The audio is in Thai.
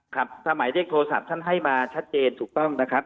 ครับสมัยได้โทรศัพท์ท่านให้มาชัดเจนถูกต้องนะครับ